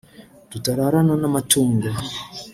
tutararana n’amatungo